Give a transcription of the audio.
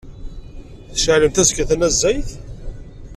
Tceɣlemt azekka tanezzayt?